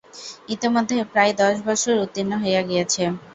ইতিমধ্যে প্রায় দশ বৎসর উত্তীর্ণ হইয়া গিয়াছে।